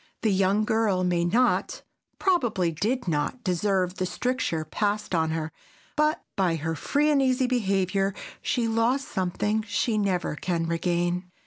The young girl may not, probably did not, deserve the stricture passed on her, but by her free and easy behavior she lost something she never can regain.